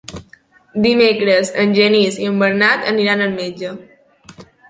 Dimecres en Genís i en Bernat aniran al metge.